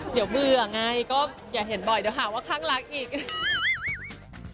เดี๋ยวเบื่อไงก็อย่าเห็นบ่อยเดี๋ยวหาว่าข้างรักอีก